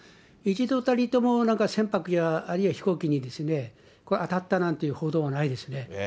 一度たりとも、なんか船舶や、あるいは飛行機に当たったなんて報道がないですね。